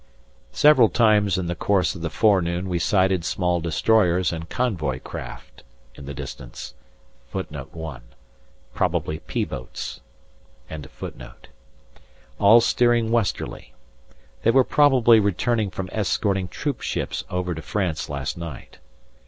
Several times in the course of the forenoon we sighted small destroyers and convoy craft in the distance, all steering westerly. They were probably returning from escorting troopships over to France last night.